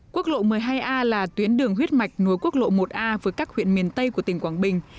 quốc lộ một mươi hai a là tuyến đường huyết mạch nối quốc lộ một a với các huyện miền tây của tỉnh quảng bình